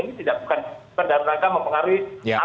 ini tidak bukan super darurangka mempengaruhi arah hati kita